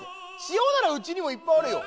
塩ならうちにもいっぱいあるよ。